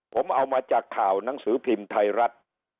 ผมเอามาจากข่าวหนังสือพิมพ์ไทยรัฐ